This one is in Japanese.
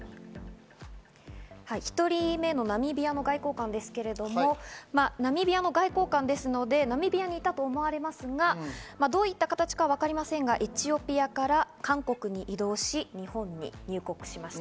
１人目のナミビアの外交官ですけれども、ナミビアの外交官ですのでナミビアにいたと思われますが、どういった形かはわかりませんがエチオピアから韓国に移動し、日本に入国しました。